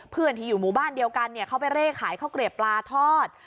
เพื่อนที่อยู่หมู่บ้านเดียวกันเขาไปเร่ขายข้าวเกลียบปลาทอด